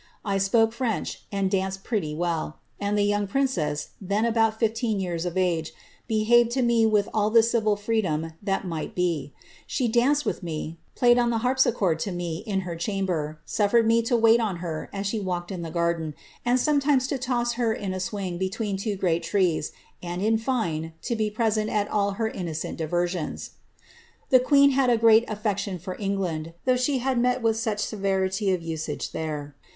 I spoke French, and danced pretty well, and the young princess, then abom fifleen years of age, behaved to me with all the civil freedom that might be ; she danced with me, played on the harpsichord to me in her cham ber, suffered me to wait on her as she walked in the garden, and some times to toss her in a swing between two great trees, and, in fine^ to be present at all her innocent diversions.* ^^ The queen had a great affection for England, though she had met with such severity of usage there.